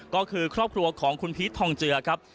ก็คือครอบครัวของคุณพีชทองเจือครับ